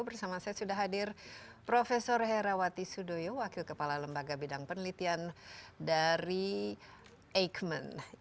bersama saya sudah hadir prof herawati sudoyo wakil kepala lembaga bidang penelitian dari eijkman